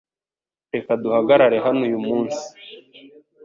Reka duhagarare hano uyu munsi .